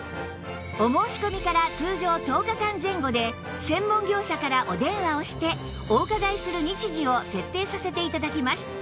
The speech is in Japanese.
お申し込みから通常１０日間前後で専門業者からお電話をしてお伺いする日時を設定させて頂きます